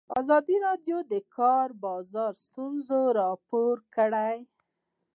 ازادي راډیو د د کار بازار ستونزې راپور کړي.